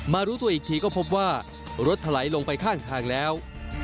รู้ตัวอีกทีก็พบว่ารถถลายลงไปข้างทางแล้ว